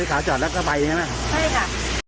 ขาจอดแล้วก็ไปใช่ไหมใช่ค่ะ